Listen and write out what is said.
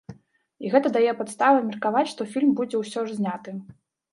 І гэта дае падставы меркаваць, што фільм будзе ўсё ж зняты.